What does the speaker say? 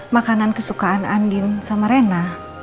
makanan kesukaan andin sama rena